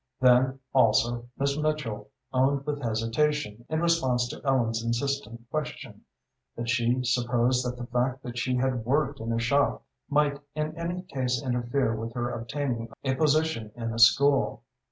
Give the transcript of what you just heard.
Then, also, Miss Mitchell owned with hesitation, in response to Ellen's insistent question, that she supposed that the fact that she had worked in a shop might in any case interfere with her obtaining a position in a school.